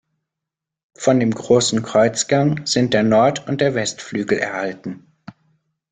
Von dem großen Kreuzgang sind der Nord- und der Westflügel erhalten.